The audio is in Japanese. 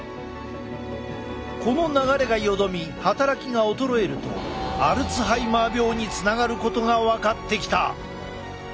この流れがよどみ働きが衰えるとアルツハイマー病につながることが分かってきた！